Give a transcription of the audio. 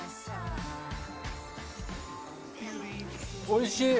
おいしい！